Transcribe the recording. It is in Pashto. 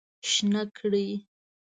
شنه کړی